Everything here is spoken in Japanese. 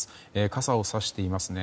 傘をさしていますね。